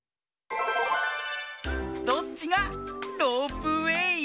どっちがロープウエー？